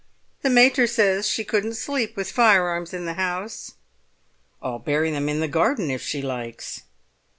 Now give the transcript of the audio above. "The mater says she couldn't sleep with firearms in the house." "I'll bury them in the garden if she likes."